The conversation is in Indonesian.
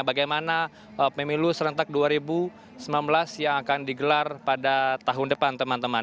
bagaimana pemilu serentak dua ribu sembilan belas yang akan digelar pada tahun depan teman teman